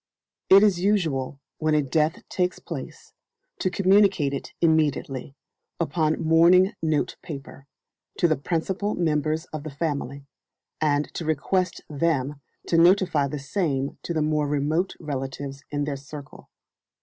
It is usual, when a death takes place, to communicate it immediately, upon mourning note paper, to the principal members of the family, and to request them to notify the same to the more remote relatives in their circle.